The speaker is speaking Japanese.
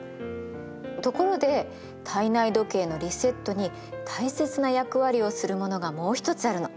ところで体内時計のリセットに大切な役割をするものがもう一つあるの。